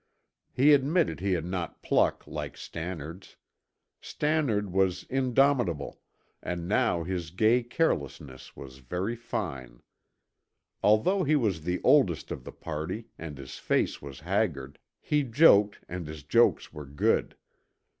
He admitted he had not pluck like Stannard's. Stannard was indomitable, and now his gay carelessness was very fine. Although he was the oldest of the party and his face was haggard, he joked and his jokes were good.